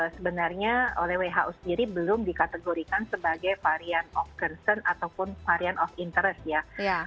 sebenarnya oleh who sendiri belum dikategorikan sebagai varian of concern ataupun varian of interest ya